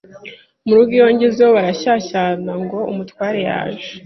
mu rugo iyo ngezeyo barashyashyana ngo umutware yaje